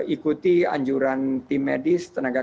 ikuti anjuran tim medis tenaga kesehatan